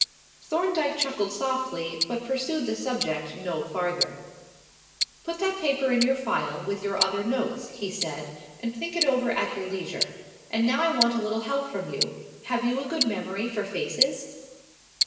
Thorndyke chuckled softly but pursued the subject no farther. "Put that paper in your file with your other notes," he said, "and think it over at your leisure. And now I want a little help from you. Have you a good memory for faces?"